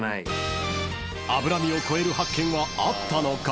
［脂身を超える発見はあったのか？］